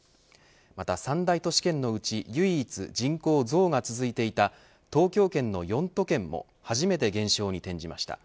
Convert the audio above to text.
また３大都市圏のうち唯一人口増が続いていた東京圏の４都県も初めて減少に転じました。